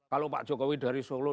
kalau pak jokowi dari solo